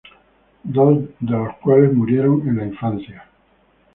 Dos de los cuales murieron en la infancia.